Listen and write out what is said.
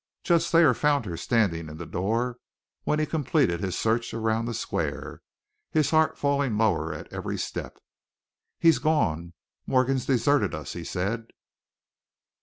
Judge Thayer found her standing in the door when he completed his search around the square, his heart falling lower at every step. "He's gone! Morgan's deserted us!" he said.